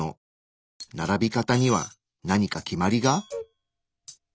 並び方には何か決まりが？